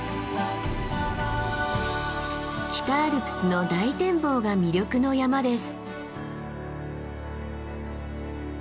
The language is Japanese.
北アルプスの大展望が魅力の山です。